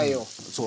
そう。